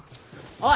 おい！